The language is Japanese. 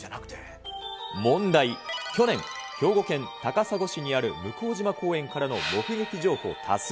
問題、去年、兵庫県高砂市にある向島公園からの目撃情報多数。